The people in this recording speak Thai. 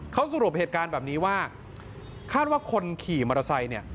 เขาสรุปเหตุการณ์แบบนี้ว่าคาดว่าคนขี่มอเตอร์ไซค์เนี่ย